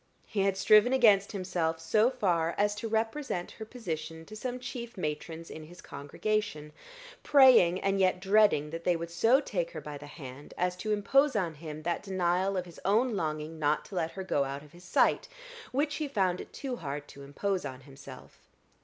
He had striven against himself so far as to represent her position to some chief matrons in his congregation, praying and yet dreading that they would so take her by the hand as to impose on him that denial of his own longing not to let her go out of his sight, which he found it too hard to impose on himself.